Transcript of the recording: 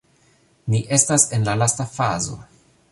Ni estas en la lasta fazo